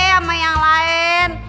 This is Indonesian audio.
sama yang lain